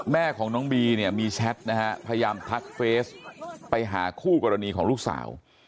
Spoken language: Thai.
แม่ของน้องบีมีแชทพยายามทักเฟซไปหาคู่กรณีของลูกสาว